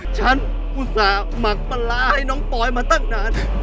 อุตส่าหมักปลาร้าให้น้องปอยมาตั้งนาน